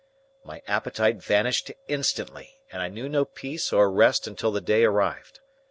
My appetite vanished instantly, and I knew no peace or rest until the day arrived.